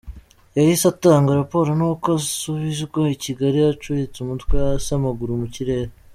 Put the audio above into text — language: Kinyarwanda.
Yahise atanga raporo n’uko asubizwa Kigali acuritse umutwe hasi amaguru mu kirere.